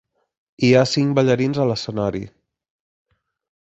Hi ha cinc ballarins a l'escenari